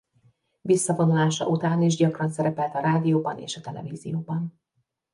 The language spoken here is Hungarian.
Visszavonulása után is gyakran szerepelt a rádióban és a televízióban.